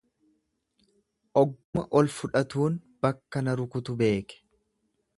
Ogguma ol fudhatuun bakka na rukutu beeke.